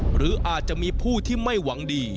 หรืออาจจะมีผู้ที่ไม่หวังดี